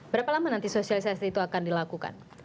berapa lama nanti sosialisasi itu akan dilakukan